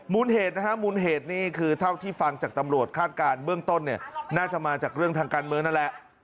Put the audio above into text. เหตุนะฮะมูลเหตุนี่คือเท่าที่ฟังจากตำรวจคาดการณ์เบื้องต้นเนี่ยน่าจะมาจากเรื่องทางการเมืองนั่นแหละ